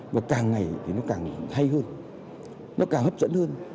và càng ngày thì nó càng hay hơn nó càng hấp dẫn hơn